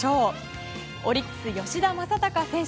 オリックス吉田正尚選手